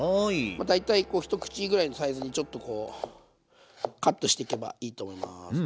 まあ大体ひと口ぐらいのサイズにちょっとこうカットしていけばいいと思います。